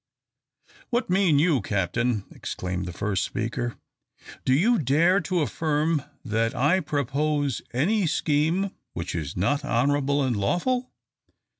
"What mean you, Captain?" exclaimed the first speaker. "Do you dare to affirm that I propose any scheme which is not honourable and lawful?